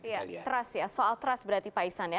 ya trust ya soal trust berarti paisan ya